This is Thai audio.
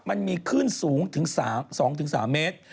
มันมีคลื่นสูงถึง๒๓เมตร